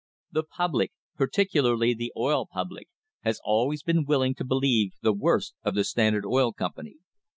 The public, particularly the oil public, has always been willing to believe the worst of the Standard Oil Company.